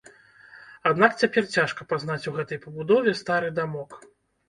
Аднак цяпер цяжка пазнаць у гэтай пабудове стары дамок.